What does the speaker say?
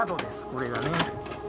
これがね。